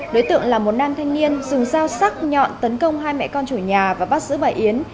đối tượng là một nam thanh niên dùng dao sắc nhọn tấn công hai mẹ con chủ nhà và bắt giữ bà yến